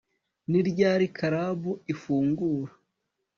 ni ryari club ifungura